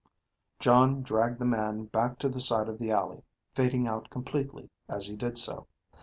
Jon dragged the man back to the side of the alley, fading out completely as he did so.